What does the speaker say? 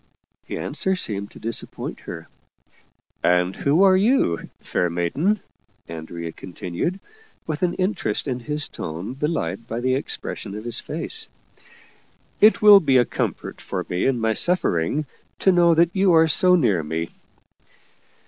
The answer seemed to disappoint her. " And who are you, fair maiden ?" Andrea continued, with an interest in his tone belied by the expression of his face. " It will be a comfort for me in my suffering, to know that you are so near me."